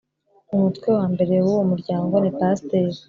umutwewa mbere w uwo muryango ni Pasiteri